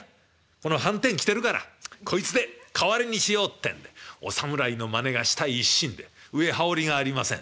このはんてん着てるからこいつで代わりにしよう」ってんでお侍のまねがしたい一心で上羽織がありません。